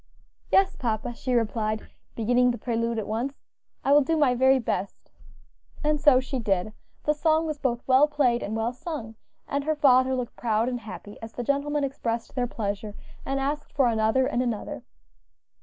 "Yes, papa," she replied, beginning the prelude at once, "I will do my very best." And so she did. The song was both well played and well sung, and her father looked proud and happy as the gentlemen expressed their pleasure and asked for another and another.